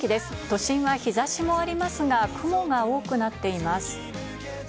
都心は日差しもありますが、雲が多くなっています。